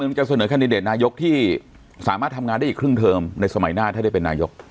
จะเสนอแคนดิเดตนายกที่สามารถทำงานได้อีกครึ่งเทอมในสมัยหน้าถ้าได้เป็นนายก